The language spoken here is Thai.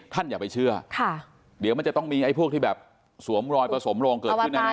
ท่านอย่าไปเชื่อเดี๋ยวมันจะต้องมีไอ้พวกที่แบบสวมรอยประสมโรงเกิดขึ้นมา